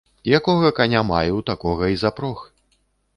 Якога каня маю, такога і запрог.